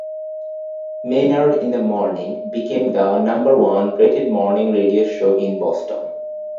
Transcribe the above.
Maynard in the Morning became the number one rated morning radio show in Boston.